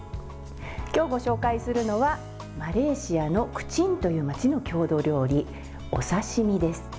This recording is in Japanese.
今日ご紹介するのはマレーシアのクチンという町の郷土料理、お刺身です。